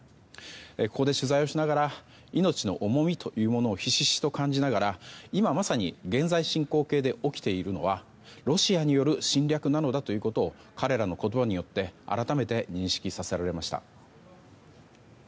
ここで取材をしながら命の重みというものをひしひしと感じながら今まさに現在進行形で起きているのは、ロシアによる侵略なのだということを彼らの言葉によって改めて認識させられました。